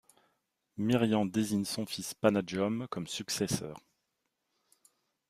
Mirian désigne son fils Parnadjom comme successeur.